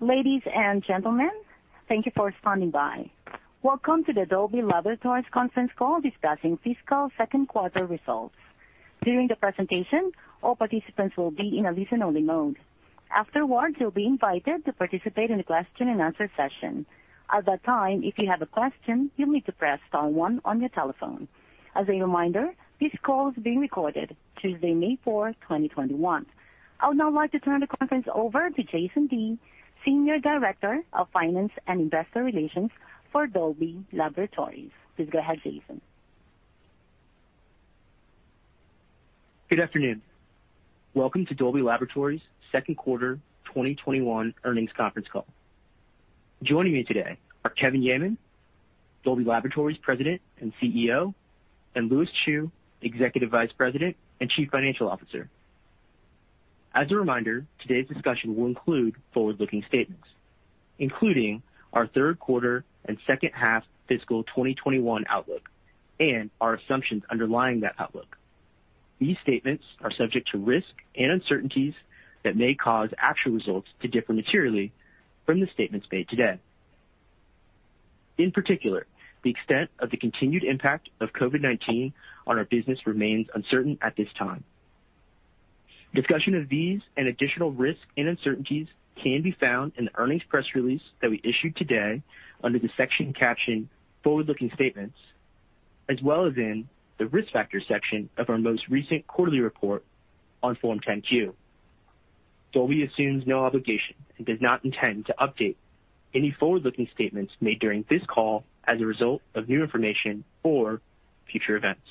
Ladies and gentlemen, thank you for standing by. Welcome to the Dolby Laboratories conference call discussing fiscal second quarter results. During the presentation, all participants will be in a listen-only mode. Afterwards, you will be invited to participate in a question and answer session. At that time, if you have a question, you will need to press star one on your telephone. As a reminder, this call is being recorded Tuesday, 4th May, 2021. I would now like to turn the conference over to Jason Dea, Senior Director of Finance and Investor Relations for Dolby Laboratories. Please go ahead, Jason. Good afternoon. Welcome to Dolby Laboratories' second quarter 2021 earnings conference call. Joining me today are Kevin Yeaman, Dolby Laboratories President and CEO, and Lewis Chew, Executive Vice President and Chief Financial Officer. As a reminder, today's discussion will include forward-looking statements, including our third quarter and second half fiscal 2021 outlook and our assumptions underlying that outlook. These statements are subject to risk and uncertainties that may cause actual results to differ materially from the statements made today. In particular, the extent of the continued impact of COVID-19 on our business remains uncertain at this time. Discussion of these and additional risks and uncertainties can be found in the earnings press release that we issued today under the section captioned Forward-Looking Statements, as well as in the Risk Factors section of our most recent quarterly report on Form 10-Q. Dolby assumes no obligation and does not intend to update any forward-looking statements made during this call as a result of new information or future events.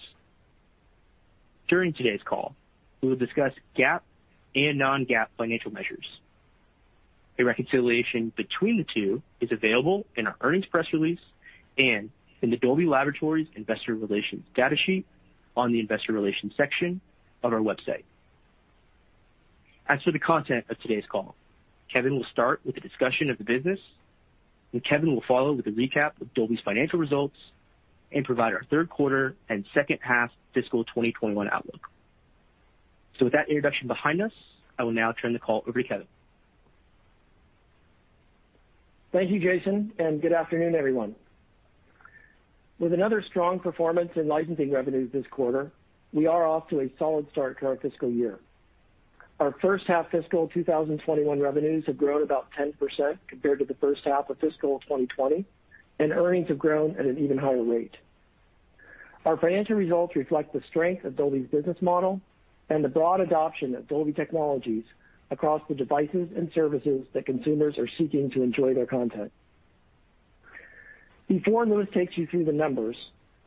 During today's call, we will discuss GAAP and non-GAAP financial measures. A reconciliation between the two is available in our earnings press release and in the Dolby Laboratories Investor Relations data sheet on the investor relations section of our website. As for the content of today's call, Kevin will start with a discussion of the business, and Kevin will follow with a recap of Dolby's financial results and provide our third quarter and second half fiscal 2021 outlook. With that introduction behind us, I will now turn the call over to Kevin. Thank you, Jason, and good afternoon, everyone. With another strong performance in licensing revenues this quarter, we are off to a solid start to our fiscal year. Our first half fiscal 2021 revenues have grown about 10% compared to the first half of fiscal 2020, and earnings have grown at an even higher rate. Our financial results reflect the strength of Dolby's business model and the broad adoption of Dolby technologies across the devices and services that consumers are seeking to enjoy their content. Before Lewis takes you through the numbers,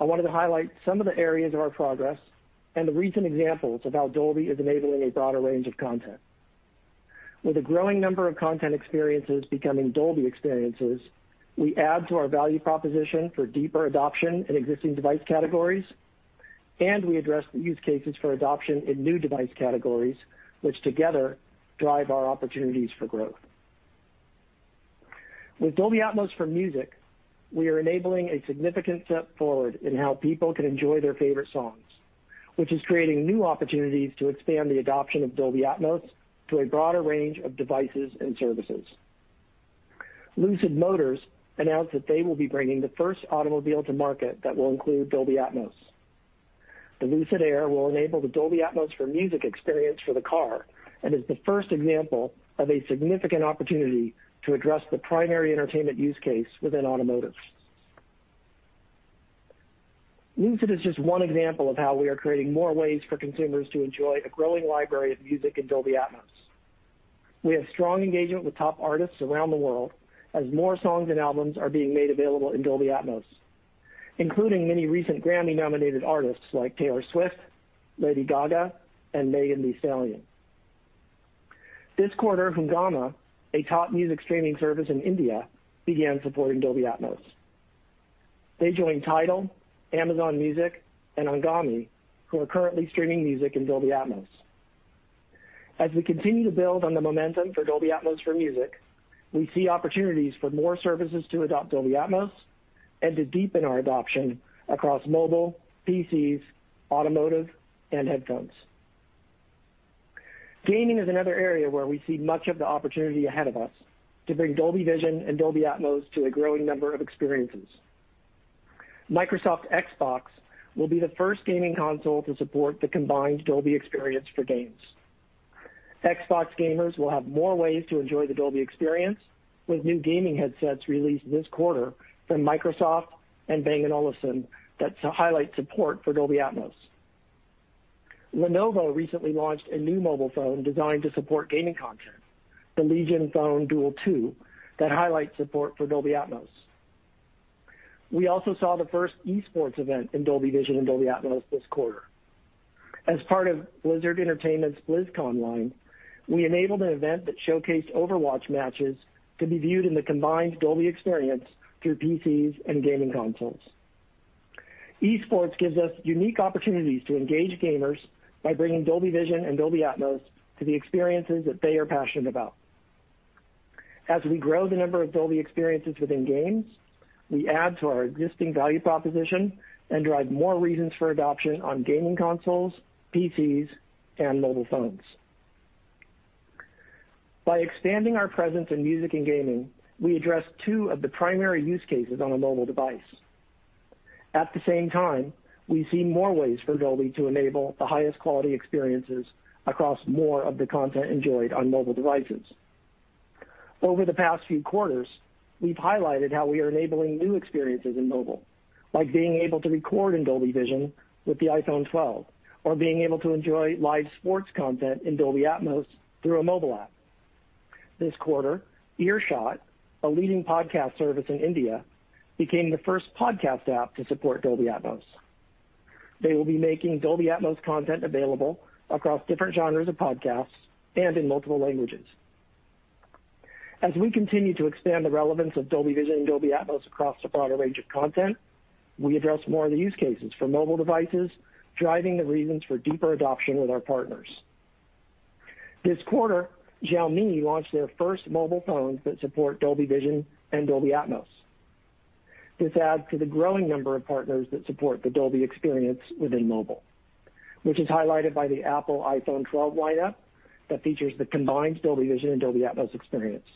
I wanted to highlight some of the areas of our progress and the recent examples of how Dolby is enabling a broader range of content. With a growing number of content experiences becoming Dolby experiences, we add to our value proposition for deeper adoption in existing device categories, and we address the use cases for adoption in new device categories, which together drive our opportunities for growth. With Dolby Atmos Music, we are enabling a significant step forward in how people can enjoy their favorite songs, which is creating new opportunities to expand the adoption of Dolby Atmos to a broader range of devices and services. Lucid Motors announced that they will be bringing the first automobile to market that will include Dolby Atmos. The Lucid Air will enable the Dolby Atmos Music experience for the car and is the first example of a significant opportunity to address the primary entertainment use case within automotive. Lucid is just one example of how we are creating more ways for consumers to enjoy a growing library of music in Dolby Atmos. We have strong engagement with top artists around the world as more songs and albums are being made available in Dolby Atmos, including many recent Grammy-nominated artists like Taylor Swift, Lady Gaga, and Megan Thee Stallion. This quarter, Hungama, a top music streaming service in India, began supporting Dolby Atmos. They join Tidal, Amazon Music, and Anghami, who are currently streaming music in Dolby Atmos. As we continue to build on the momentum for Dolby Atmos for music, we see opportunities for more services to adopt Dolby Atmos and to deepen our adoption across mobile, PCs, automotive, and headphones. Gaming is another area where we see much of the opportunity ahead of us to bring Dolby Vision and Dolby Atmos to a growing number of experiences. Microsoft Xbox will be the first gaming console to support the combined Dolby experience for games. Xbox gamers will have more ways to enjoy the Dolby experience with new gaming headsets released this quarter from Microsoft and Bang & Olufsen that highlight support for Dolby Atmos. Lenovo recently launched a new mobile phone designed to support gaming content, the Legion Phone Duel 2, that highlights support for Dolby Atmos. We also saw the first esports event in Dolby Vision and Dolby Atmos this quarter. As part of Blizzard Entertainment's BlizzConline, we enabled an event that showcased Overwatch matches to be viewed in the combined Dolby experience through PCs and gaming consoles. Esports gives us unique opportunities to engage gamers by bringing Dolby Vision and Dolby Atmos to the experiences that they are passionate about. As we grow the number of Dolby experiences within games, we add to our existing value proposition and drive more reasons for adoption on gaming consoles, PCs, and mobile phones. By expanding our presence in music and gaming, we address two of the primary use cases on a mobile device. At the same time, we see more ways for Dolby to enable the highest quality experiences across more of the content enjoyed on mobile devices. Over the past few quarters, we've highlighted how we are enabling new experiences in mobile, like being able to record in Dolby Vision with the iPhone 12, or being able to enjoy live sports content in Dolby Atmos through a mobile app. This quarter, Earshot, a leading podcast service in India, became the first podcast app to support Dolby Atmos. They will be making Dolby Atmos content available across different genres of podcasts and in multiple languages. As we continue to expand the relevance of Dolby Vision and Dolby Atmos across a broader range of content, we address more of the use cases for mobile devices, driving the reasons for deeper adoption with our partners. This quarter, Xiaomi launched their first mobile phones that support Dolby Vision and Dolby Atmos. This adds to the growing number of partners that support the Dolby experience within mobile, which is highlighted by the Apple iPhone 12 lineup that features the combined Dolby Vision and Dolby Atmos experience.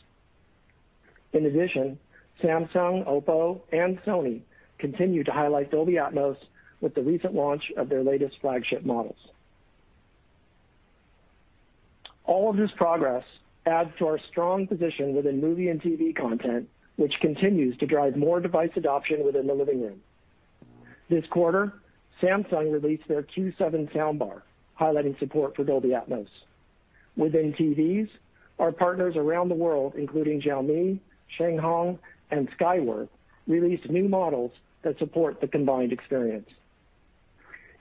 In addition, Samsung, Oppo, and Sony continue to highlight Dolby Atmos with the recent launch of their latest flagship models. All of this progress adds to our strong position within movie and TV content, which continues to drive more device adoption within the living room. This quarter, Samsung released their Q7 soundbar highlighting support for Dolby Atmos. Within TVs, our partners around the world, including Xiaomi, Changhong, and Skyworth, released new models that support the combined experience.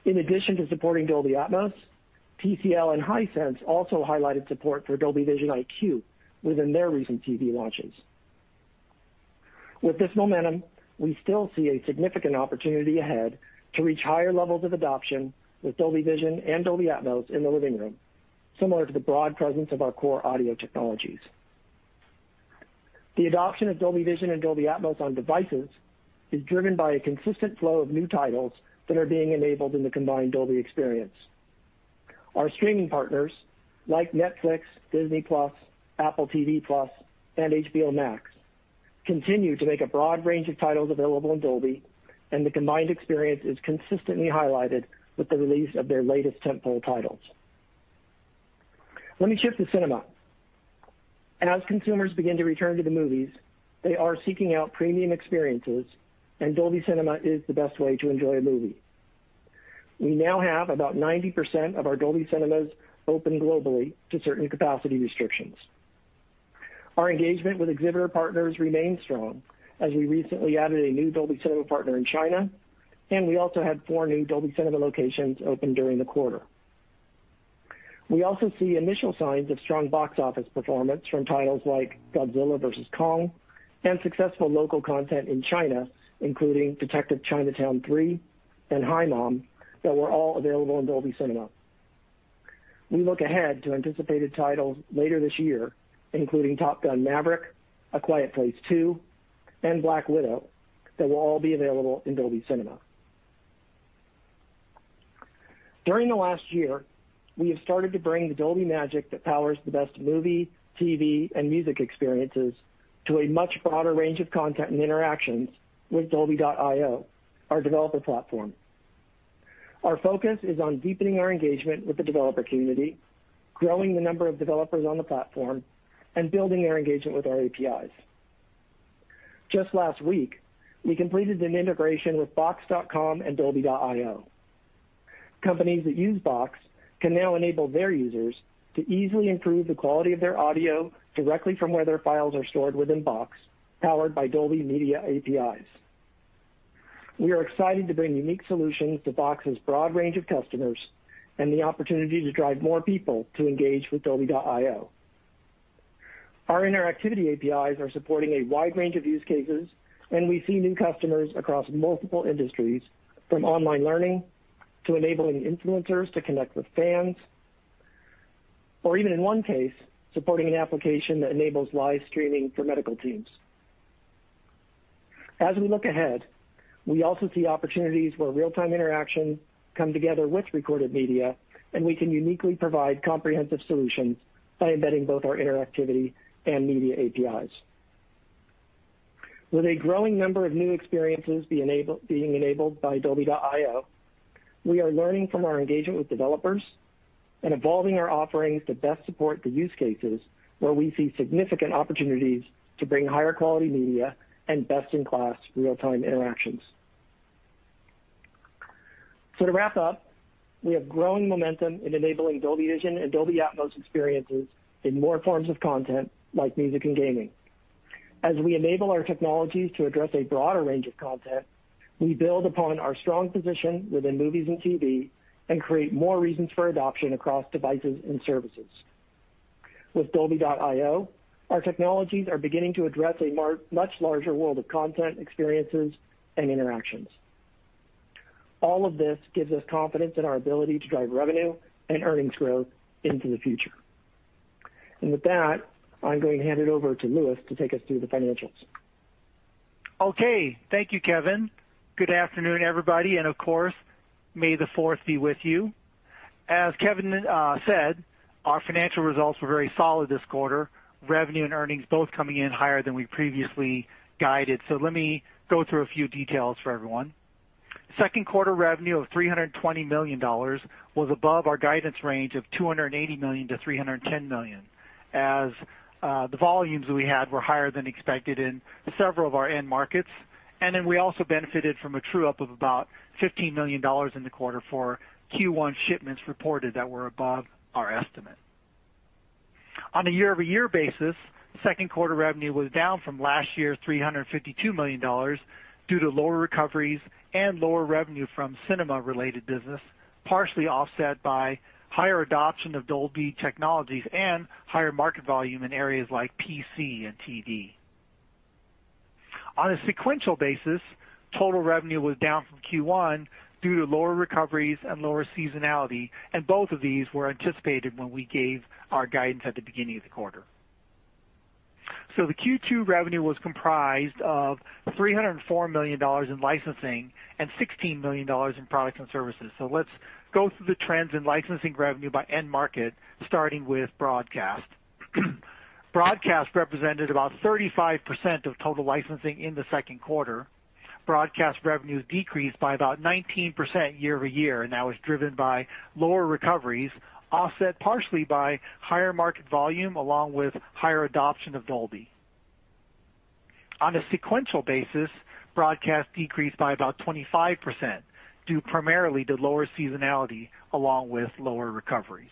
In addition to supporting Dolby Atmos, TCL and Hisense also highlighted support for Dolby Vision IQ within their recent TV launches. With this momentum, we still see a significant opportunity ahead to reach higher levels of adoption with Dolby Vision and Dolby Atmos in the living room, similar to the broad presence of our core audio technologies. The adoption of Dolby Vision and Dolby Atmos on devices is driven by a consistent flow of new titles that are being enabled in the combined Dolby experience. Our streaming partners like Netflix, Disney+, Apple TV+, and HBO Max continue to make a broad range of titles available in Dolby. The combined experience is consistently highlighted with the release of their latest tent-pole titles. Let me shift to cinema. As consumers begin to return to the movies, they are seeking out premium experiences. Dolby Cinema is the best way to enjoy a movie. We now have about 90% of our Dolby cinemas open globally to certain capacity restrictions. Our engagement with exhibitor partners remains strong as we recently added a new Dolby Cinema partner in China. We also had four new Dolby Cinema locations open during the quarter. We also see initial signs of strong box office performance from titles like Godzilla vs. Kong. Kong and successful local content in China, including Detective Chinatown 3 and Hi, Mom, that were all available in Dolby Cinema. We look ahead to anticipated titles later this year, including Top Gun: Maverick, A Quiet Place Part II, and Black Widow that will all be available in Dolby Cinema. During the last year, we have started to bring the Dolby magic that powers the best movie, TV, and music experiences to a much broader range of content and interactions with Dolby.io, our developer platform. Our focus is on deepening our engagement with the developer community, growing the number of developers on the platform, and building their engagement with our APIs. Just last week, we completed an integration with box.com and Dolby.io. Companies that use Box can now enable their users to easily improve the quality of their audio directly from where their files are stored within Box, powered by Dolby Media APIs. We are excited to bring unique solutions to Box's broad range of customers and the opportunity to drive more people to engage with Dolby.io. Our interactivity APIs are supporting a wide range of use cases, and we see new customers across multiple industries, from online learning to enabling influencers to connect with fans, or even in one case, supporting an application that enables live streaming for medical teams. As we look ahead, we also see opportunities where real-time interactions come together with recorded media, and we can uniquely provide comprehensive solutions by embedding both our interactivity and media APIs. With a growing number of new experiences being enabled by Dolby.io, we are learning from our engagement with developers and evolving our offerings to best support the use cases where we see significant opportunities to bring higher quality media and best-in-class real-time interactions. To wrap up, we have growing momentum in enabling Dolby Vision and Dolby Atmos experiences in more forms of content like music and gaming. As we enable our technologies to address a broader range of content, we build upon our strong position within movies and TV and create more reasons for adoption across devices and services. With Dolby.io, our technologies are beginning to address a much larger world of content experiences and interactions. All of this gives us confidence in our ability to drive revenue and earnings growth into the future. With that, I'm going to hand it over to Lewis to take us through the financials. Okay. Thank you, Kevin. Good afternoon, everybody, and of course, may the fourth be with you. As Kevin said, our financial results were very solid this quarter, revenue and earnings both coming in higher than we previously guided. Let me go through a few details for everyone. Second quarter revenue of $320 million was above our guidance range of $280 million-$310 million, as the volumes we had were higher than expected in several of our end markets. We also benefited from a true-up of about $15 million in the quarter for Q1 shipments reported that were above our estimate. On a year-over-year basis, second quarter revenue was down from last year $352 million due to lower recoveries and lower revenue from cinema-related business, partially offset by higher adoption of Dolby technologies and higher market volume in areas like PC and TV. On a sequential basis, total revenue was down from Q1 due to lower recoveries and lower seasonality, and both of these were anticipated when we gave our guidance at the beginning of the quarter. The Q2 revenue was comprised of $304 million in licensing and $16 million in products and services. Let's go through the trends in licensing revenue by end market, starting with broadcast. Broadcast represented about 35% of total licensing in the second quarter. Broadcast revenues decreased by about 19% year-over-year, and that was driven by lower recoveries, offset partially by higher market volume along with higher adoption of Dolby. On a sequential basis, broadcast decreased by about 25% due primarily to lower seasonality along with lower recoveries.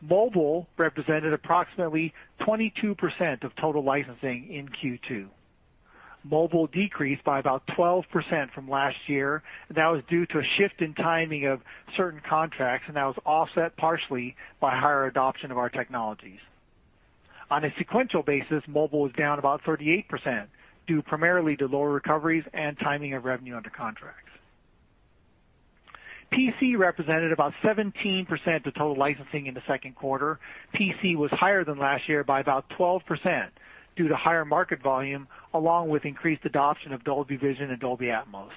Mobile represented approximately 22% of total licensing in Q2. Mobile decreased by about 12% from last year, that was due to a shift in timing of certain contracts, and that was offset partially by higher adoption of our technologies. On a sequential basis, mobile was down about 38%, due primarily to lower recoveries and timing of revenue under contracts. PC represented about 17% of total licensing in the second quarter. PC was higher than last year by about 12% due to higher market volume along with increased adoption of Dolby Vision and Dolby Atmos.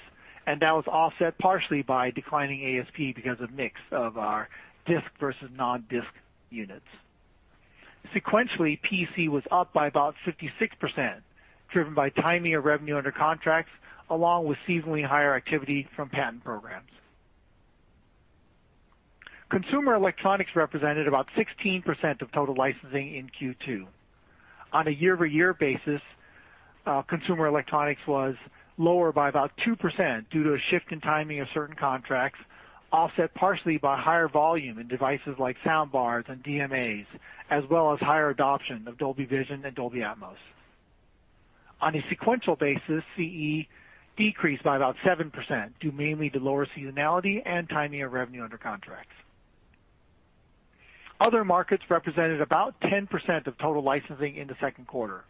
That was offset partially by declining ASP because of mix of our disk versus non-disk units. Sequentially, PC was up by about 56%, driven by timing of revenue under contracts along with seasonally higher activity from patent programs. Consumer electronics represented about 16% of total licensing in Q2. On a year-over-year basis, consumer electronics was lower by about 2% due to a shift in timing of certain contracts, offset partially by higher volume in devices like sound bars and DMAs, as well as higher adoption of Dolby Vision and Dolby Atmos. On a sequential basis, CE decreased by about 7% due mainly to lower seasonality and timing of revenue under contracts. Other markets represented about 10% of total licensing in the second quarter.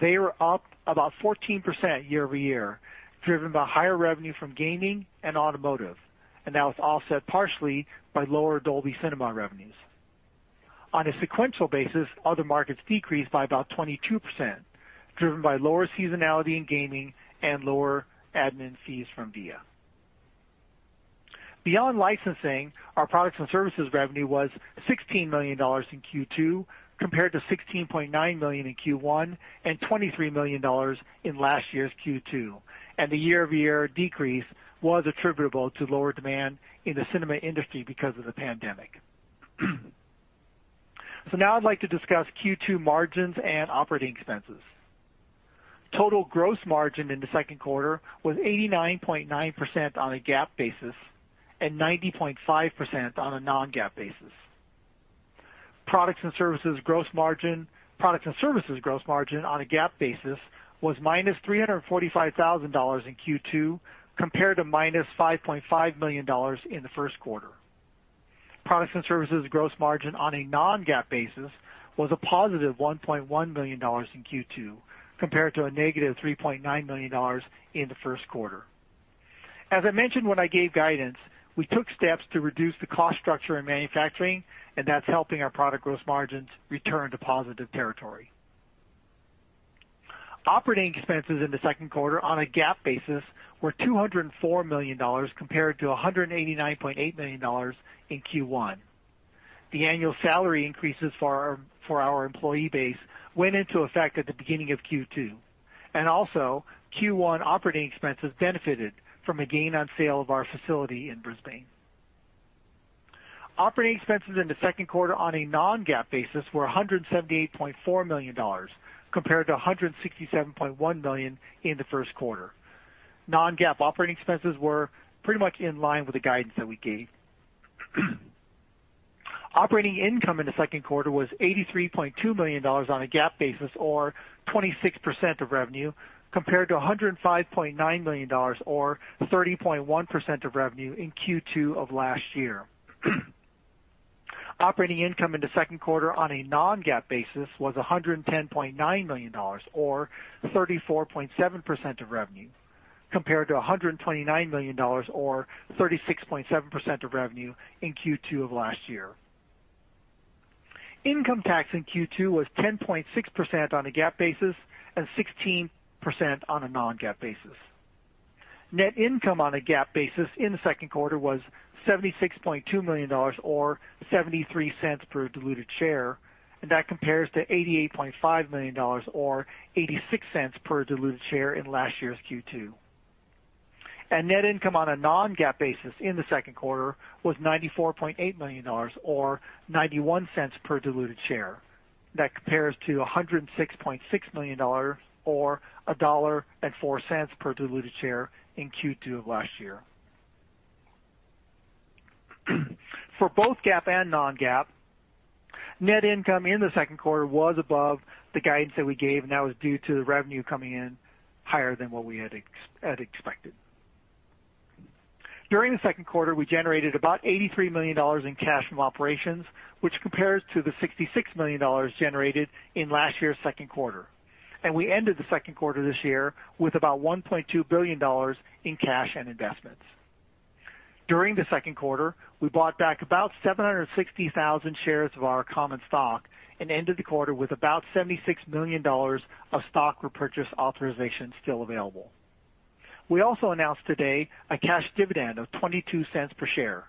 They were up about 14% year-over-year, driven by higher revenue from gaming and automotive. That was offset partially by lower Dolby Cinema revenues. On a sequential basis, other markets decreased by about 22%, driven by lower seasonality in gaming and lower admin fees from Via. Beyond licensing, our products and services revenue was $16 million in Q2 compared to $16.9 million in Q1 and $23 million in last year's Q2. The year-over-year decrease was attributable to lower demand in the cinema industry because of the pandemic. Now I'd like to discuss Q2 margins and operating expenses. Total gross margin in the second quarter was 89.9% on a GAAP basis and 90.5% on a non-GAAP basis. Products and services gross margin on a GAAP basis was -$345,000 in Q2 compared to -$5.5 million in the first quarter. Products and services gross margin on a non-GAAP basis was +$1.1 million in Q2 compared to -$3.9 million in the first quarter. As I mentioned when I gave guidance, we took steps to reduce the cost structure in manufacturing, and that's helping our product gross margins return to positive territory. Operating expenses in the second quarter on a GAAP basis were $204 million compared to $189.8 million in Q1. The annual salary increases for our employee base went into effect at the beginning of Q2. Also, Q1 OpEx benefited from a gain on sale of our facility in Brisbane. OpEx in the second quarter on a non-GAAP basis were $178.4 million compared to $167.1 million in the first quarter. Non-GAAP OpEx were pretty much in line with the guidance that we gave. Operating income in the second quarter was $83.2 million on a GAAP basis or 26% of revenue, compared to $105.9 million or 30.1% of revenue in Q2 of last year. Operating income in the second quarter on a non-GAAP basis was $110.9 million, or 34.7% of revenue, compared to $129 million, or 36.7% of revenue in Q2 of last year. Income tax in Q2 was 10.6% on a GAAP basis and 16% on a non-GAAP basis. Net income on a GAAP basis in the second quarter was $76.2 million or $0.73 per diluted share. That compares to $88.5 million or $0.86 per diluted share in last year's Q2. Net income on a non-GAAP basis in the second quarter was $94.8 million or $0.91 per diluted share. That compares to $106.6 million or $1.04 per diluted share in Q2 of last year. For both GAAP and non-GAAP, net income in the second quarter was above the guidance that we gave. That was due to the revenue coming in higher than what we had expected. During the second quarter, we generated about $83 million in cash from operations, which compares to the $66 million generated in last year's second quarter. We ended the second quarter this year with about $1.2 billion in cash and investments. During the second quarter, we bought back about 760,000 shares of our common stock and ended the quarter with about $76 million of stock repurchase authorization still available. We also announced today a cash dividend of $0.22 per share.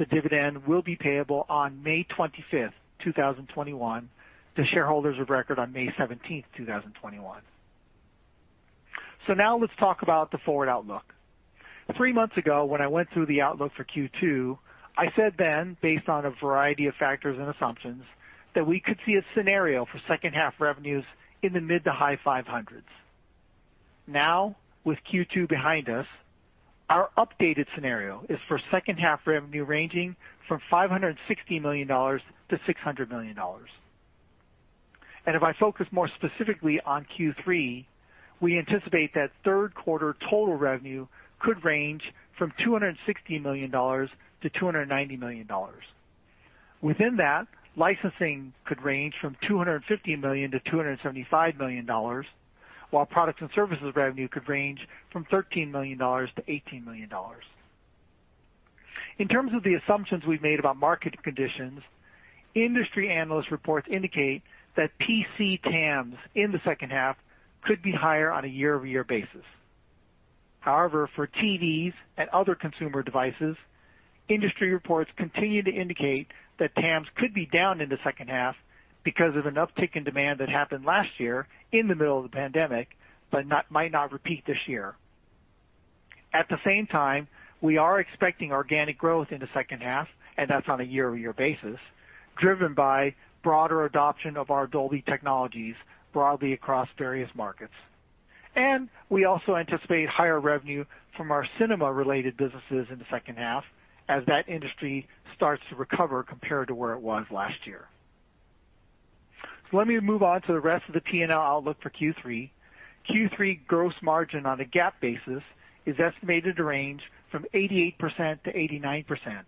The dividend will be payable on May 25th, 2021 to shareholders of record on May 17th, 2021. Now let's talk about the forward outlook. Three months ago, when I went through the outlook for Q2, I said then, based on a variety of factors and assumptions, that we could see a scenario for second-half revenues in the mid to high 500s. Now, with Q2 behind us, our updated scenario is for second half revenue ranging from $560 million-$600 million. If I focus more specifically on Q3, we anticipate that third quarter total revenue could range from $260 million-$290 million. Within that, licensing could range from $250 million-$275 million, while products and services revenue could range from $13 million-$18 million. In terms of the assumptions we've made about market conditions, industry analyst reports indicate that PC TAMs in the second half could be higher on a year-over-year basis. For TVs and other consumer devices, industry reports continue to indicate that TAMs could be down in the second half because of an uptick in demand that happened last year in the middle of the pandemic, but might not repeat this year. At the same time, we are expecting organic growth in the second half, and that's on a year-over-year basis, driven by broader adoption of our Dolby technologies broadly across various markets. We also anticipate higher revenue from our cinema-related businesses in the second half as that industry starts to recover compared to where it was last year. Let me move on to the rest of the P&L outlook for Q3. Q3 gross margin on a GAAP basis is estimated to range from 88%-89%,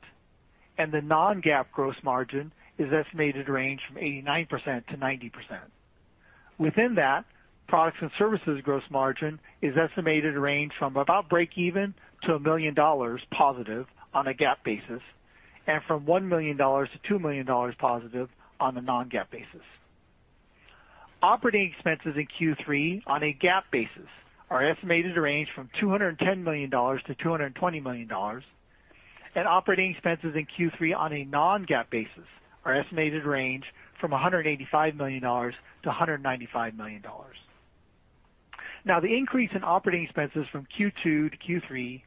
and the non-GAAP gross margin is estimated to range from 89%-90%. Within that, products and services gross margin is estimated to range from about break even to $1 million positive on a GAAP basis, and from $1 million-$2 million positive on a non-GAAP basis. Operating expenses in Q3 on a GAAP basis are estimated to range from $210 million-$220 million, and operating expenses in Q3 on a non-GAAP basis are estimated range from $185 million-$195 million. The increase in operating expenses from Q2 to Q3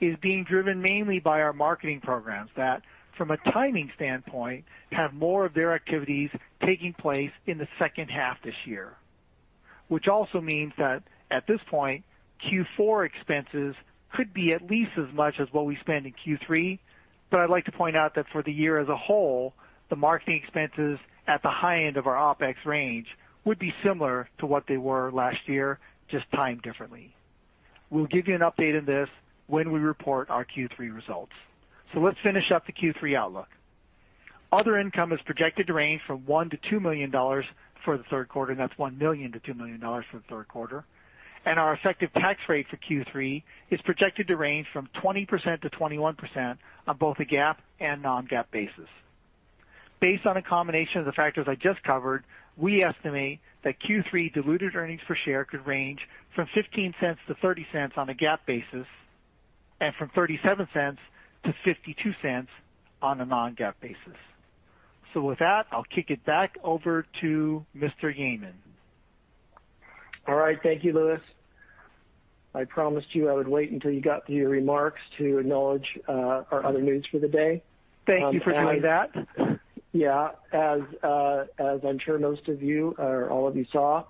is being driven mainly by our marketing programs that, from a timing standpoint, have more of their activities taking place in the second half this year, which also means that at this point, Q4 expenses could be at least as much as what we spend in Q3. I'd like to point out that for the year as a whole, the marketing expenses at the high end of our OpEx range would be similar to what they were last year, just timed differently. We'll give you an update on this when we report our Q3 results. Let's finish up the Q3 outlook. Other income is projected to range from $1 million-$2 million for the third quarter, and that's $1 million-$2 million for the third quarter. Our effective tax rate for Q3 is projected to range from 20%-21% on both a GAAP and non-GAAP basis. Based on a combination of the factors I just covered, we estimate that Q3 diluted earnings per share could range from $0.15 to $0.30 on a GAAP basis and from $0.37 to $0.52 on a non-GAAP basis. With that, I'll kick it back over to Mr. Yeaman. All right. Thank you, Lewis. I promised you I would wait until you got through your remarks to acknowledge our other news for the day. Thank you for doing that. Yeah. As I'm sure most of you or all of you saw,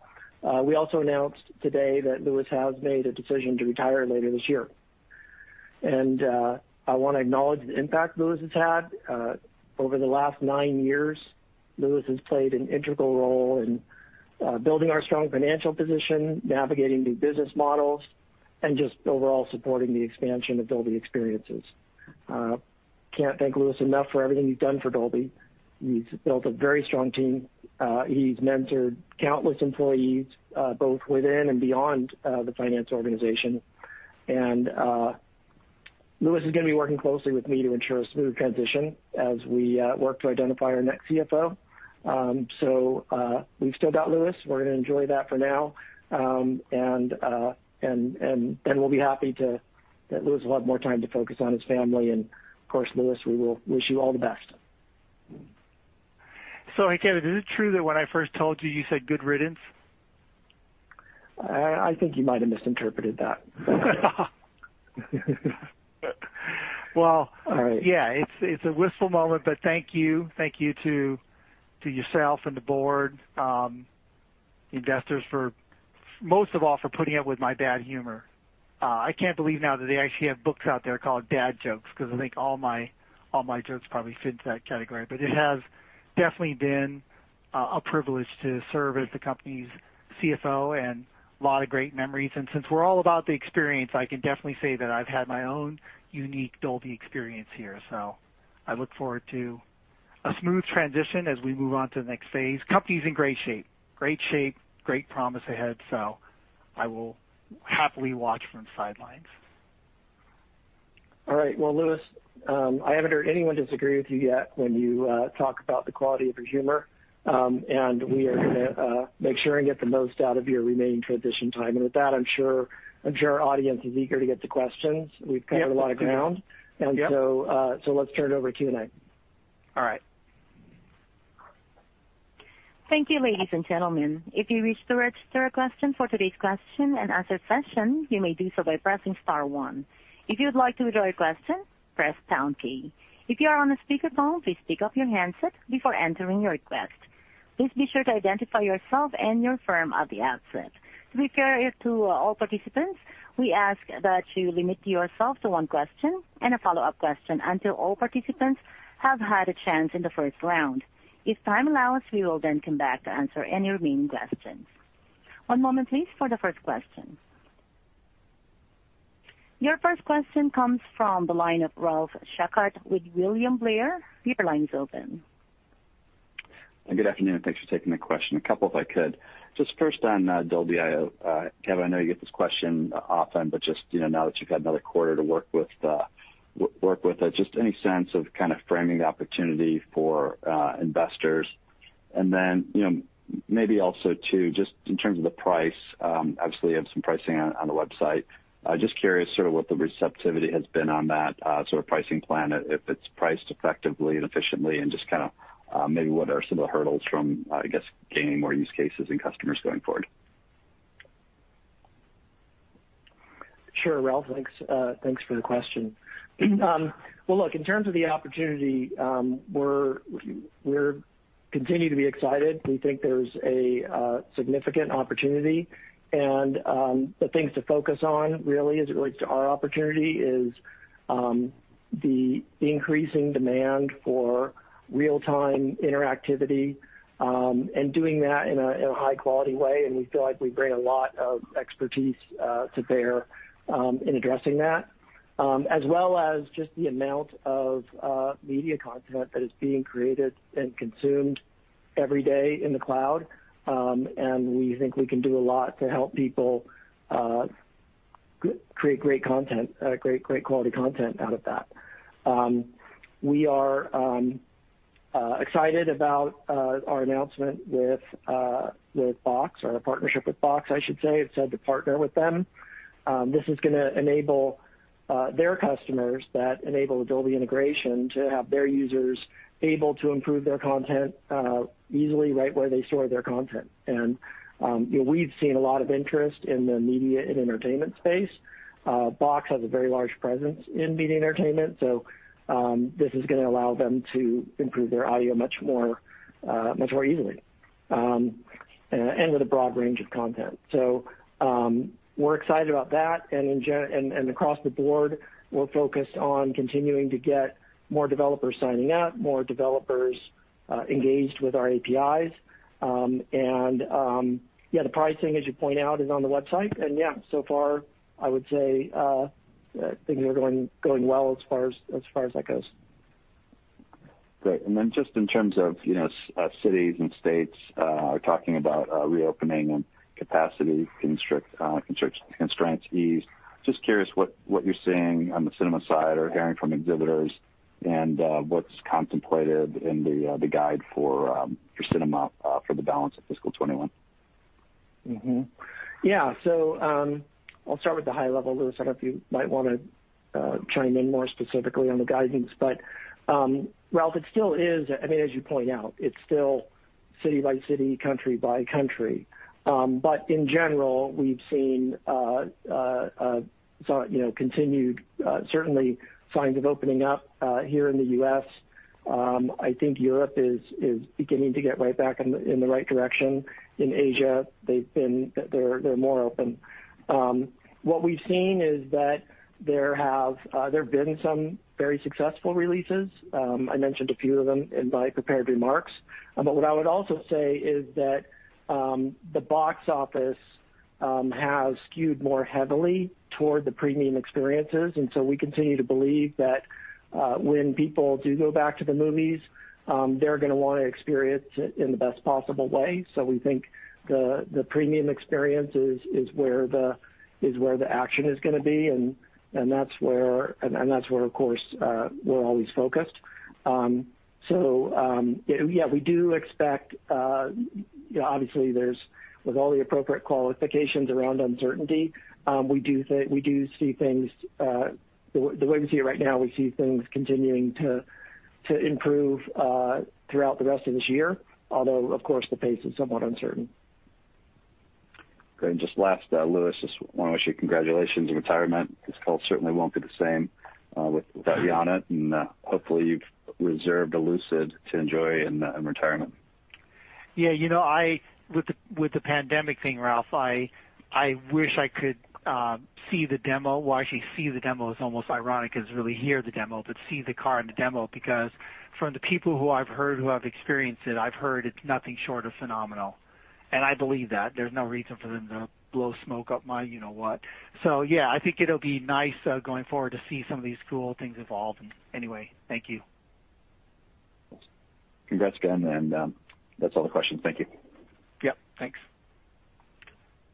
we also announced today that Lewis has made a decision to retire later this year. I want to acknowledge the impact Lewis has had. Over the last nine years, Lewis has played an integral role in building our strong financial position, navigating new business models and just overall supporting the expansion of Dolby experiences. Can't thank Lewis enough for everything he's done for Dolby. He's built a very strong team. He's mentored countless employees, both within and beyond the finance organization. Lewis is going to be working closely with me to ensure a smooth transition as we work to identify our next CFO. We've still got Lewis. We're going to enjoy that for now. We'll be happy to let Lewis have a lot more time to focus on his family. Of course, Lewis, we will wish you all the best. Hey, Kevin, is it true that when I first told you said, "Good riddance? I think you might have misinterpreted that. Well- All right. Yeah. It's a wistful moment, thank you. Thank you to yourself and the board, investors, most of all, for putting up with my bad humor. I can't believe now that they actually have books out there called "Dad Jokes," because I think all my jokes probably fit into that category. It has definitely been a privilege to serve as the company's CFO, and a lot of great memories. Since we're all about the experience, I can definitely say that I've had my own unique Dolby experience here. I look forward to a smooth transition as we move on to the next phase. Company's in great shape. Great promise ahead. I will happily watch from the sidelines. All right. Well, Lewis, I haven't heard anyone disagree with you yet when you talk about the quality of your humor. We are going to make sure and get the most out of your remaining transition time. With that, I'm sure our audience is eager to get to questions. Yeah. We've covered a lot of ground. Yep. let's turn it over to Q&A. All right. Thank you, ladies and gentlemen. If you wish to register a question for today's question-and-answer session, you may do so by pressing star one. If you'd like to withdraw your question, press pound key. If you are on a speakerphone, please pick up your handset before entering your request. Please be sure to identify yourself and your firm at the outset. To be fair to all participants, we ask that you limit yourself to one question and a follow-up question until all participants have had a chance in the first round. If time allows, we will then come back to answer any remaining questions. One moment please for the first question. Your first question comes from the line of Ralph Schackart with William Blair. Your line's open. Good afternoon. Thanks for taking the question. A couple if I could. Just first on Dolby.io. Kevin, I know you get this question often, but just now that you've had another quarter to work with it, just any sense of kind of framing the opportunity for investors? Maybe also too, just in terms of the price, obviously you have some pricing on the website. Just curious sort of what the receptivity has been on that sort of pricing plan, if it's priced effectively and efficiently, and just kind of maybe what are some of the hurdles from, I guess, gaining more use cases and customers going forward? Sure, Ralph, thanks for the question. Well, look, in terms of the opportunity, we continue to be excited. We think there's a significant opportunity, and the things to focus on really, as it relates to our opportunity, is the increasing demand for real-time interactivity, and doing that in a high-quality way. We feel like we bring a lot of expertise to bear in addressing that. As well as just the amount of media content that is being created and consumed every day in the cloud. We think we can do a lot to help people create great quality content out of that. We are excited about our announcement with Box, or the partnership with Box, I should say. Excited to partner with them. This is going to enable their customers that enable Dolby integration to have their users able to improve their content easily, right where they store their content. We've seen a lot of interest in the media and entertainment space. Box has a very large presence in media and entertainment, this is going to allow them to improve their audio much more easily and with a broad range of content. We're excited about that, and across the board, we're focused on continuing to get more developers signing up, more developers engaged with our APIs. The pricing, as you point out, is on the website. Yeah, so far I would say things are going well as far as that goes. Great. Just in terms of cities and states are talking about reopening and capacity constraints eased. Just curious what you're seeing on the cinema side or hearing from exhibitors and what's contemplated in the guide for cinema for the balance of fiscal 2021. Mm-hmm. Yeah. I'll start with the high level. Lewis, I don't know if you might want to chime in more specifically on the guidance. Ralph, it still is, as you point out, it's still city by city, country by country. In general, we've seen continued certainly signs of opening up here in the U.S. I think Europe is beginning to get right back in the right direction. In Asia, they're more open. What we've seen is that there have been some very successful releases. I mentioned a few of them in my prepared remarks. What I would also say is that the box office Has skewed more heavily toward the premium experiences. We continue to believe that when people do go back to the movies, they're going to want to experience it in the best possible way. We think the premium experience is where the action is going to be, and that's where, of course, we're always focused. Yeah, we do expect, obviously, with all the appropriate qualifications around uncertainty, the way we see it right now, we see things continuing to improve throughout the rest of this year, although, of course, the pace is somewhat uncertain. Great. Just last, Lewis, just want to wish you congratulations on retirement. This call certainly won't be the same without you on it. Hopefully you've reserved a Lucid to enjoy in retirement. Yeah. With the pandemic thing, Ralph, I wish I could see the demo. Well, actually see the demo is almost ironic because it's really hear the demo, but see the car in the demo, because from the people who I've heard who have experienced it, I've heard it's nothing short of phenomenal, and I believe that. There's no reason for them to blow smoke up my you know what. Yeah, I think it'll be nice going forward to see some of these cool things evolve. Anyway, thank you. Congrats again. That's all the questions. Thank you. Yeah, thanks.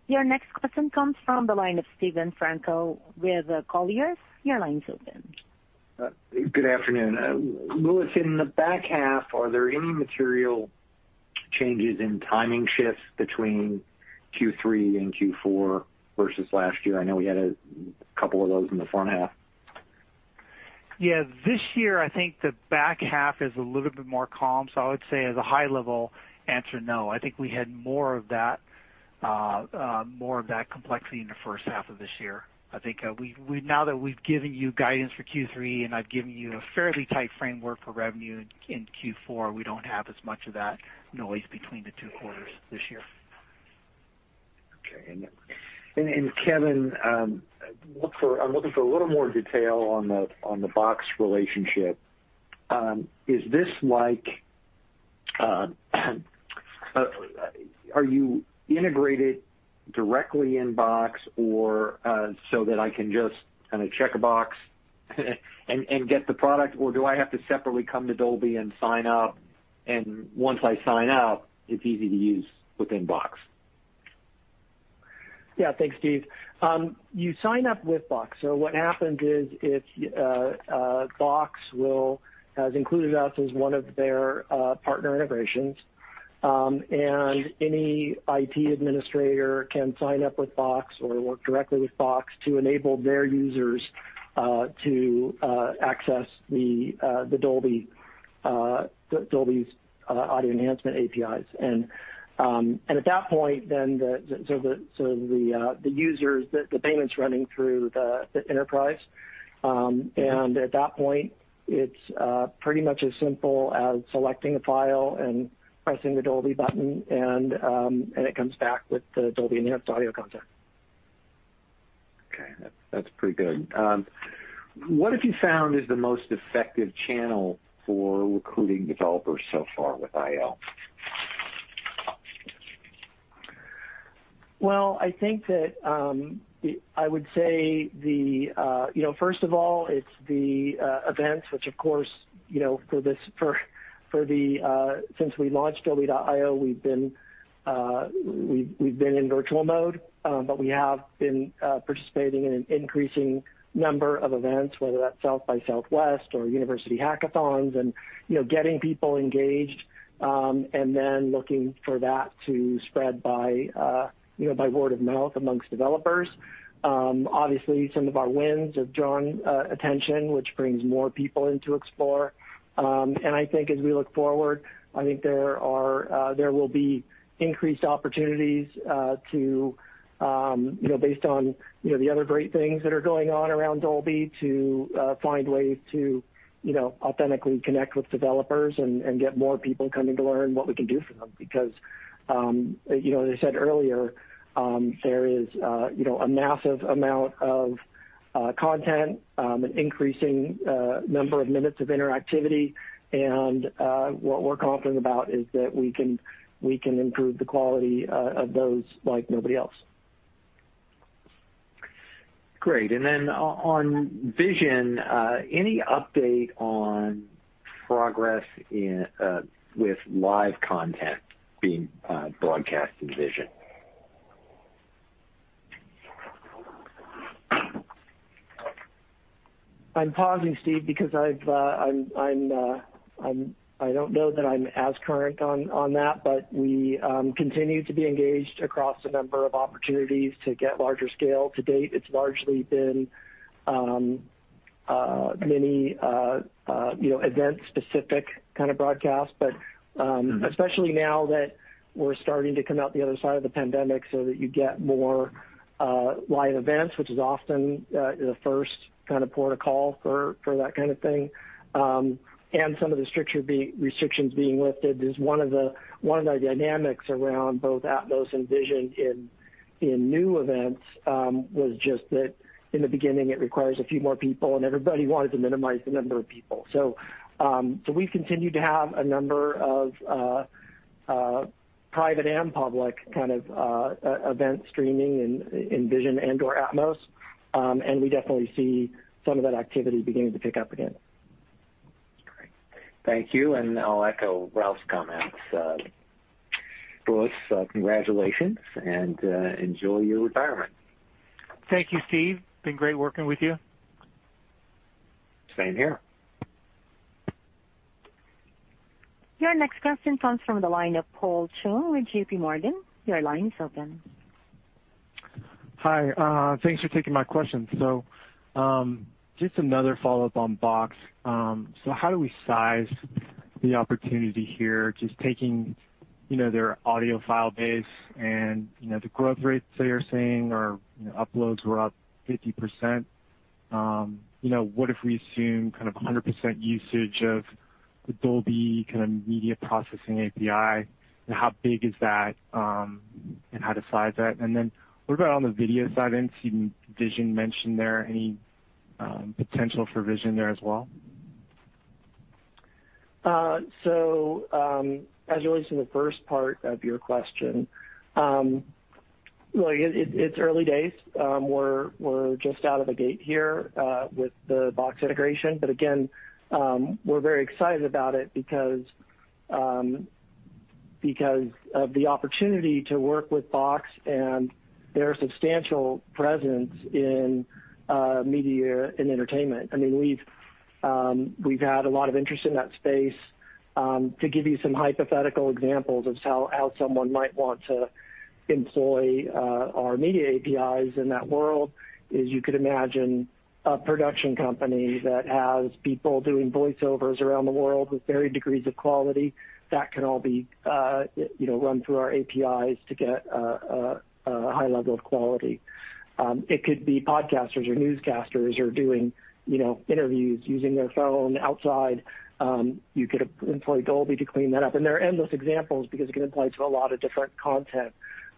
Your next question comes from the line of Steven Frankel with Colliers. Your line's open. Good afternoon. Lewis, in the back half, are there any material changes in timing shifts between Q3 and Q4 versus last year? I know we had a couple of those in the front half. Yeah. This year, I think the back half is a little bit more calm. I would say as a high-level answer, no. I think we had more of that complexity in the first half of this year. I think now that we've given you guidance for Q3, and I've given you a fairly tight framework for revenue in Q4, we don't have as much of that noise between the two quarters this year. Okay. Kevin, I'm looking for a little more detail on the Box relationship. Are you integrated directly in Box or so that I can just kind of check a box and get the product, or do I have to separately come to Dolby and sign up, and once I sign up, it's easy to use within Box? Thanks, Steve. You sign up with Box. What happens is Box has included us as one of their partner integrations, any IT administrator can sign up with Box or work directly with Box to enable their users to access the Dolby's audio enhancement APIs. At that point, the payments running through the enterprise, and at that point, it's pretty much as simple as selecting a file and pressing the Dolby button, and it comes back with the Dolby-enhanced audio content. Okay. That's pretty good. What have you found is the most effective channel for recruiting developers so far with Dolby.io? Well, I think that I would say, first of all, it's the events, which, of course, since we launched Dolby.io, we've been in virtual mode. We have been participating in an increasing number of events, whether that's South by Southwest or university hackathons, and getting people engaged, and then looking for that to spread by word of mouth amongst developers. Obviously, some of our wins have drawn attention, which brings more people in to explore. I think as we look forward, I think there will be increased opportunities based on the other great things that are going on around Dolby to find ways to authentically connect with developers and get more people coming to learn what we can do for them. As I said earlier, there is a massive amount of content, an increasing number of minutes of interactivity, and what we're confident about is that we can improve the quality of those like nobody else. Great. On Vision, any update on progress with live content being broadcast in Vision? I'm pausing, Steven, because I don't know that I'm as current on that, but we continue to be engaged across a number of opportunities to get larger scale. To date, it's largely been many event-specific kind of broadcasts. Especially now that we're starting to come out the other side of the pandemic, so that you get more live events, which is often the first kind of port of call for that kind of thing, and some of the restrictions being lifted is one of the dynamics around both Atmos and Vision in new events was just that in the beginning, it requires a few more people, and everybody wanted to minimize the number of people. We've continued to have a number of Private and public event streaming in Vision and/or Atmos. We definitely see some of that activity beginning to pick up again. Great. Thank you, and I'll echo Ralph's comments. Lewis, congratulations and enjoy your retirement. Thank you, Steve. Been great working with you. Same here. Your next question comes from the line of Paul Chung with JPMorgan. Your line is open. Hi. Thanks for taking my question. Just another follow-up on Box. How do we size the opportunity here, just taking their audio file base and the growth rates they are seeing or uploads were up 50%. What if we assume 100% usage of the Dolby media processing API? How big is that, and how to size that? What about on the video side? I didn't see Vision mentioned there. Any potential for Vision there as well? As it relates to the first part of your question, it's early days. We're just out of the gate here with the Box integration. Again, we're very excited about it because of the opportunity to work with Box and their substantial presence in media and entertainment. We've had a lot of interest in that space. To give you some hypothetical examples of how someone might want to employ our media APIs in that world is you could imagine a production company that has people doing voiceovers around the world with varied degrees of quality. That can all be run through our APIs to get a high level of quality. It could be podcasters or newscasters who are doing interviews using their phone outside. You could employ Dolby to clean that up. There are endless examples because it can apply to a lot of different content.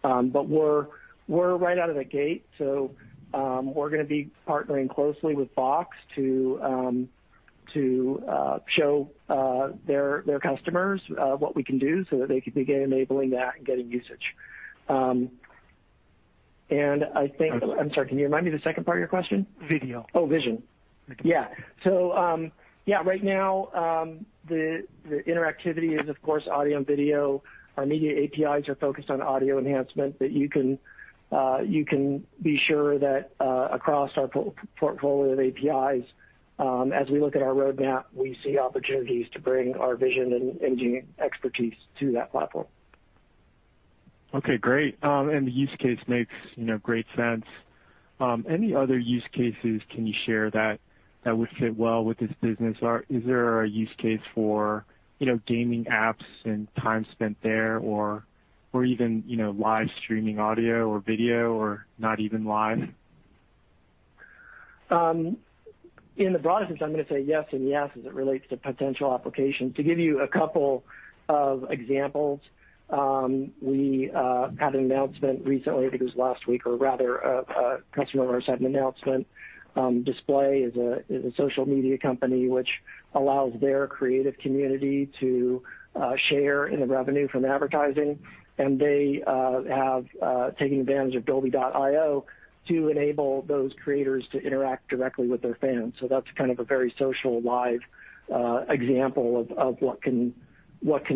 We're right out of the gate, so we're going to be partnering closely with Box to show their customers what we can do so that they can begin enabling that and getting usage. I'm sorry, can you remind me the second part of your question? Video. Oh, Vision. Yeah. Right now, the interactivity is, of course, audio and video. Our media APIs are focused on audio enhancement, you can be sure that across our portfolio of APIs, as we look at our roadmap, we see opportunities to bring our vision and engineering expertise to that platform. Okay, great. The use case makes great sense. Any other use cases can you share that would fit well with this business, or is there a use case for gaming apps and time spent there, or even live-streaming audio or video or not even live? In the broadest sense, I'm going to say yes and yes, as it relates to potential applications. To give you a couple of examples, we had an announcement recently, I think it was last week, or rather, a customer of ours had an announcement. Display is a social media company which allows their creative community to share in the revenue from advertising. They have taken advantage of Dolby.io to enable those creators to interact directly with their fans. That's kind of a very social live example of what can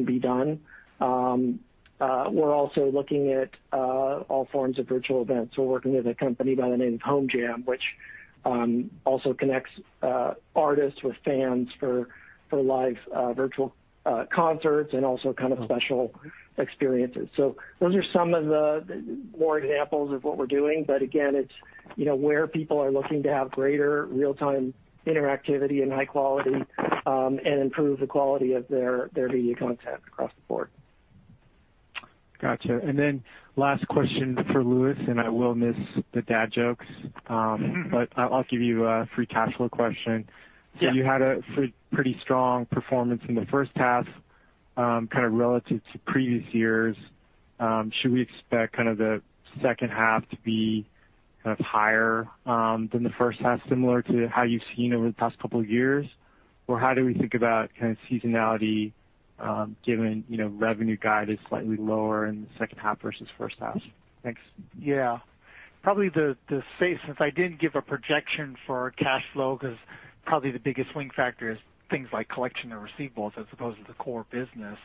be done. We're also looking at all forms of virtual events. We're working with a company by the name of Home Jam, which also connects artists with fans for live virtual concerts and also special experiences. Those are some of the more examples of what we're doing. Again, it's where people are looking to have greater real-time interactivity and high quality, and improve the quality of their media content across the board. Got you. Last question for Lewis, and I will miss the dad jokes. I'll give you a free cash flow question. Yeah. You had a pretty strong performance in the first half relative to previous years. Should we expect the second half to be higher than the first half, similar to how you've seen over the past couple of years? How do we think about seasonality, given revenue guide is slightly lower in the second half versus first half? Thanks. Probably to say, since I didn't give a projection for cash flow, because probably the biggest swing factor is things like collection of receivables as opposed to the core business.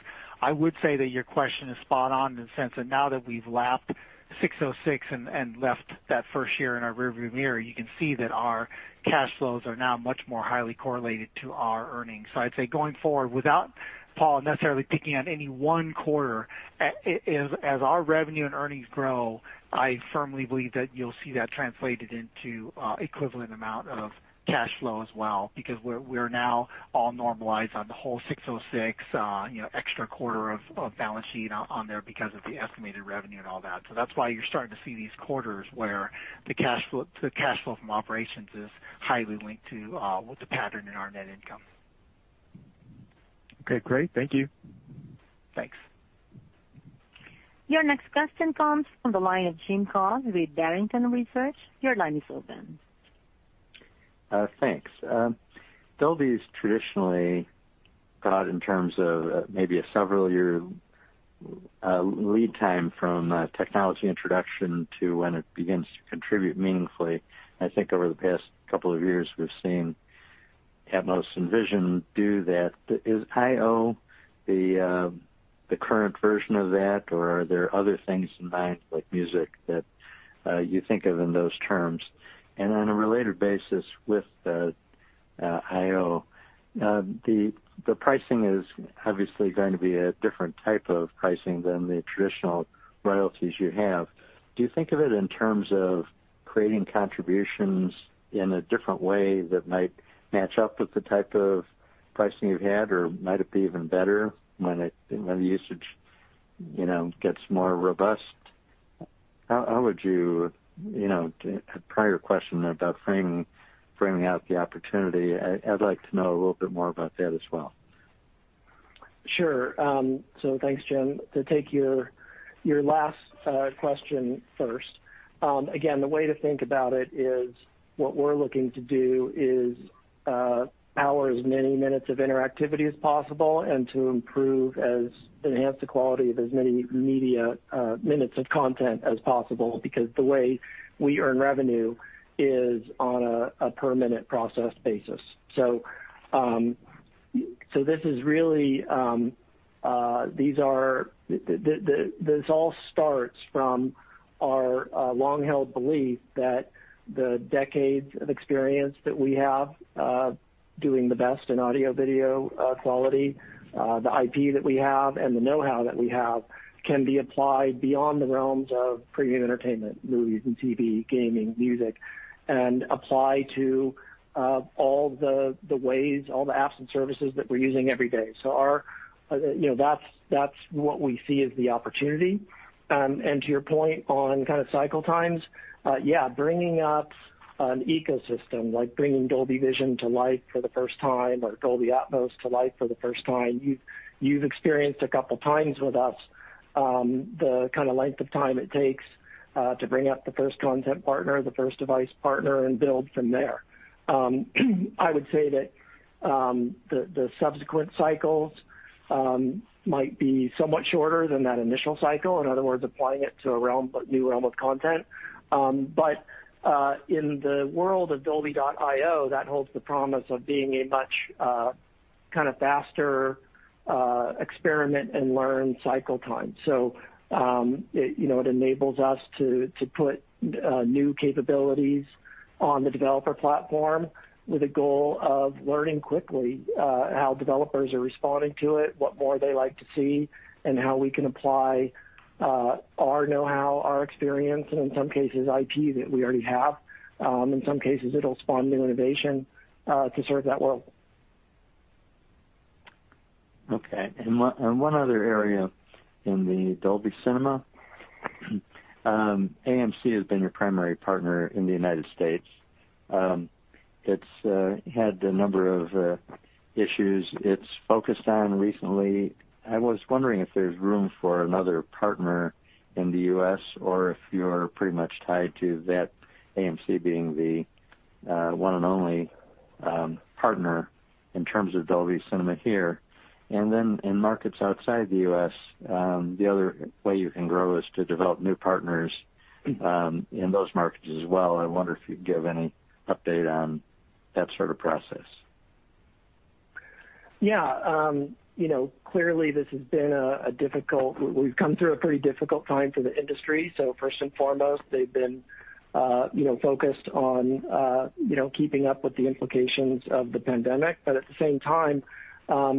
I would say that your question is spot on in the sense that now that we've lapped 606 and left that first year in our rearview mirror, you can see that our cash flows are now much more highly correlated to our earnings. I'd say going forward, without, Paul, necessarily picking on any one quarter, as our revenue and earnings grow, I firmly believe that you'll see that translated into equivalent amount of cash flow as well. We're now all normalized on the whole 606 extra quarter of balance sheet on there because of the estimated revenue and all that. That's why you're starting to see these quarters where the cash flow from operations is highly linked to what the pattern in our net income. Okay, great. Thank you. Thanks. Your next question comes from the line of Jim Goss with Barrington Research. Your line is open. Thanks. Dolby's traditionally thought in terms of maybe a several-year lead time from technology introduction to when it begins to contribute meaningfully. I think over the past couple of years, we've seen Atmos and Vision do that. Is Dolby.io the current version of that, or are there other things in mind, like music, that you think of in those terms? On a related basis with Dolby.io, the pricing is obviously going to be a different type of pricing than the traditional royalties you have. Do you think of it in terms of creating contributions in a different way that might match up with the type of pricing you've had, or might it be even better when the usage gets more robust? Prior question about framing out the opportunity. I'd like to know a little bit more about that as well. Sure. Thanks, Jim. To take your last question first. Again, the way to think about it is what we're looking to do is power as many minutes of interactivity as possible and to enhance the quality of as many media minutes of content as possible, because the way we earn revenue is on a per-minute processed basis. This all starts from our long-held belief that the decades of experience that we have doing the best in audio-video quality, the IP that we have, and the know-how that we have can be applied beyond the realms of premium entertainment, movies and TV, gaming, music, and applied to all the ways, all the apps and services that we're using every day. That's what we see as the opportunity. To your point on kind of cycle times, yeah, bringing up an ecosystem, like bringing Dolby Vision to life for the first time, or Dolby Atmos to life for the first time. You've experienced a couple of times with us, the kind of length of time it takes to bring up the first content partner, the first device partner, and build from there. I would say that the subsequent cycles might be somewhat shorter than that initial cycle, in other words, applying it to a new realm of content. In the world of Dolby.io, that holds the promise of being a much faster experiment and learn cycle time. It enables us to put new capabilities on the developer platform with a goal of learning quickly how developers are responding to it, what more they like to see, and how we can apply our know-how, our experience, and in some cases, IP that we already have. In some cases, it'll spawn new innovation to serve that world. Okay. One other area in the Dolby Cinema. AMC has been your primary partner in the United States. It's had a number of issues it's focused on recently. I was wondering if there's room for another partner in the U.S., or if you're pretty much tied to that AMC being the one and only partner in terms of Dolby Cinema here. Then in markets outside the U.S., the other way you can grow is to develop new partners in those markets as well. I wonder if you'd give any update on that sort of process. Yeah. First and foremost, they've been focused on keeping up with the implications of the pandemic. At the same time,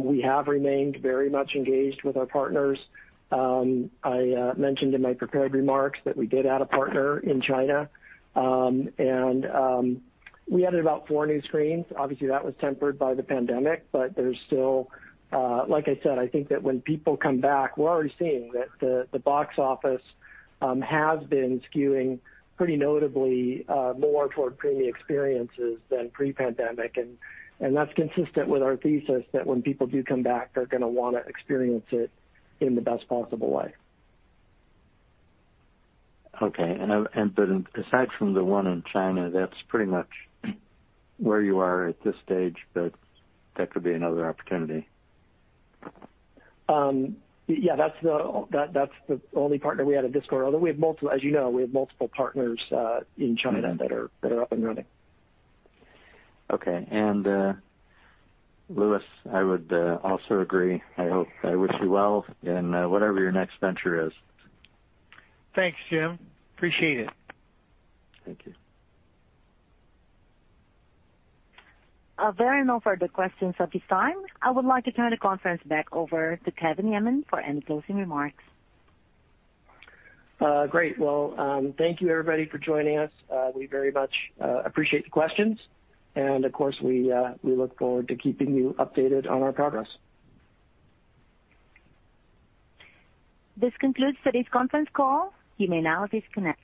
we have remained very much engaged with our partners. I mentioned in my prepared remarks that we did add a partner in China. We added about four new screens. Obviously, that was tempered by the pandemic, but like I said, I think that when people come back, we're already seeing that the box office has been skewing pretty notably more toward premium experiences than pre-pandemic. That's consistent with our thesis that when people do come back, they're going to want to experience it in the best possible way. Aside from the one in China, that's pretty much where you are at this stage, but that could be another opportunity. Yeah, that's the only partner we added this quarter, although, as you know, we have multiple partners in China that are up and running. Okay. Lewis, I would also agree. I wish you well in whatever your next venture is. Thanks, Jim. Appreciate it. Thank you. There are no further questions at this time. I would like to turn the conference back over to Kevin Yeaman for any closing remarks. Great. Well, thank you everybody for joining us. We very much appreciate the questions. Of course, we look forward to keeping you updated on our progress. This concludes today's conference call. You may now disconnect.